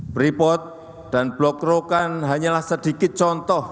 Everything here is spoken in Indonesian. beripot dan blok rokand hanyalah sedikit contoh